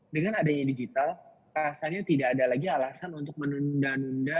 dengan adanya digital rasanya tidak ada lagi alasan untuk menunda nunda